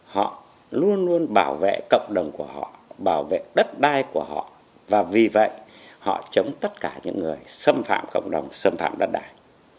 họ luôn luôn bảo vệ cộng đồng của họ bảo vệ đất đai của họ và vì vậy họ chống tất cả những người xâm phạm cộng đồng xâm phạm đất đài